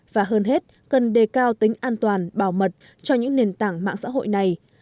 và hơn hết cần đề cao tính an toàn bảo mật cho những nền tảng mạng xã hội này